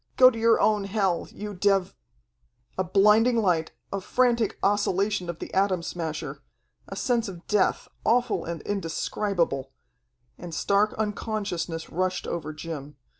"Go to your own hell, you dev " A blinding light, a frantic oscillation of the Atom Smasher, a sense of death, awful and indescribable and stark unconsciousness rushed over Jim.